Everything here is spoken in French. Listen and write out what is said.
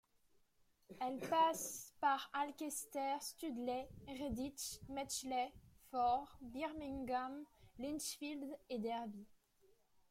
Elle passe par Alcester, Studley, Redditch, Metchley Fort, Birmingham, Lichfield et Derby.